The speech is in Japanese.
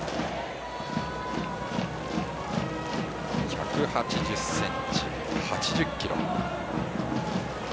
１８０ｃｍ、８０ｋｇ。